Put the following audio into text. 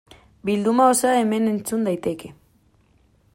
Bilduma osoa hemen entzun daiteke.